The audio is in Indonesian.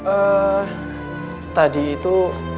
eh tadi itu